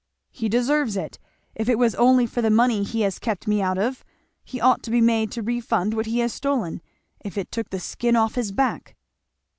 "He deserves it, if it was only for the money he has kept me out of he ought to be made to refund what he has stolen, if it took the skin off his back!"